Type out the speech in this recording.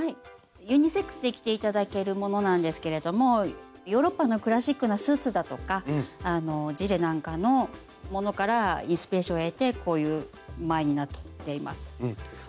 ユニセックスで着て頂けるものなんですけれどもヨーロッパのクラシックなスーツだとかジレなんかのものからインスピレーションを得てこういう前になっています。